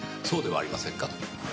そうではありませんか？